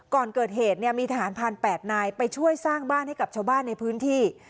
ก่อนเกิดเหตุเนี่ยมีทหารผ่าน๘นายไปช่วยสร้างบ้านให้กับชาวบ้านในพื้นที่